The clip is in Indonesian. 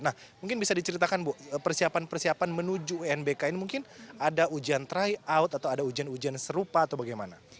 nah mungkin bisa diceritakan bu persiapan persiapan menuju unbk ini mungkin ada ujian tryout atau ada ujian ujian serupa atau bagaimana